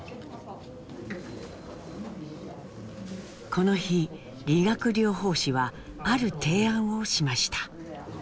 この日理学療法士はある提案をしました。